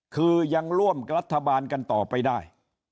คือยังร่วมรัฐบาลกันต่อไปได้